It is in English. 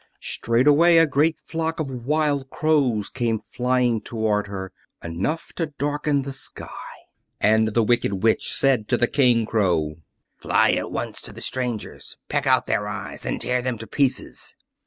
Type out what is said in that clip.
Straightway a great flock of wild crows came flying toward her, enough to darken the sky. And the Wicked Witch said to the King Crow, "Fly at once to the strangers; peck out their eyes and tear them to pieces."